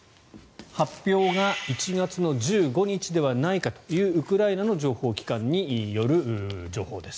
発表が１月１５日ではないかというウクライナの情報機関による情報です。